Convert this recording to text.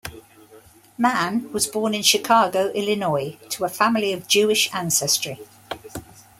Mann was born in Chicago, Illinois to a family of Jewish ancestry.